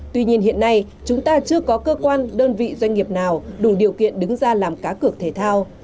tuy nhiên hiện nay chúng ta chưa có cơ quan đơn vị doanh nghiệp nào đủ điều kiện đứng ra làm cá cược thể thao